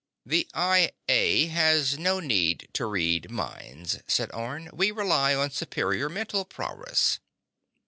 "The I A has no need to read minds," said Orne. "We rely on superior mental prowess."